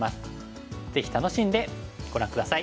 ぜひ楽しんでご覧下さい。